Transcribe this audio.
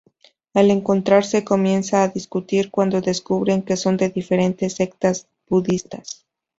Al encontrarse comienzan a discutir cuando descubren que son de diferentes sectas budistas.